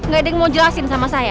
gak ada yang mau jelasin sama saya